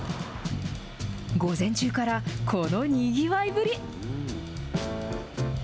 午前中からこのにぎわいぶり。